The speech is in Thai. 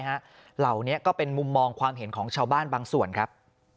เหล่านี้ก็เป็นมุมมองความเห็นของชาวบ้านบางส่วนครับ